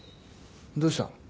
どうした？